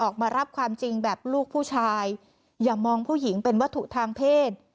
ออกมารับความจริงแบบลูกผู้ชายอย่ามองผู้หญิงเป็นวัตถุทางเพศ